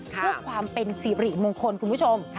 เพื่อความเป็นสิริมงคลคุณผู้ชม